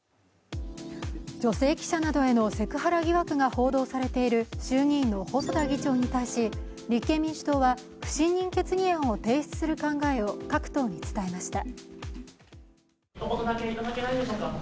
女性記者などへのセクハラ疑惑が報道されている衆議院の細田議長に対し立憲民主党は不信任決議案を提出する考えを各党に伝えました。